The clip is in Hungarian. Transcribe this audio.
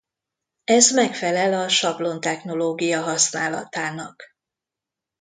Ez megfelel a sablon technológia használatának.